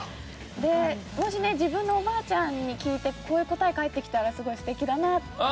もしね自分のおばあちゃんに聞いてこういう答え返ってきたらすごい素敵だなと思って。